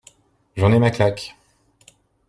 J’en ai ma claque.